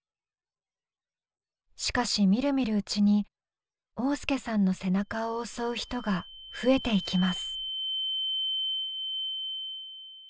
しかしみるみるうちに旺亮さんの背中を襲う人が増えていきます。